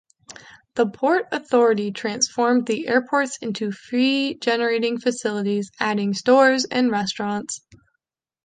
The Port Authority transformed the airports into fee-generating facilities, adding stores and restaurants.